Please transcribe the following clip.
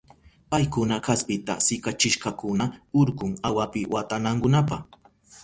Paykuna kaspita sikachishkakuna urkun awapi watanankunapa.